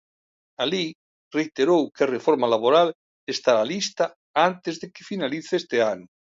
Alí, reiterou que a Reforma Laboral estará lista antes de que finalice este ano.